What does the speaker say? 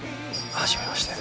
はじめまして。